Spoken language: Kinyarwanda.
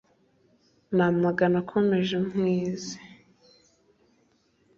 n’amagana akomoje mwezi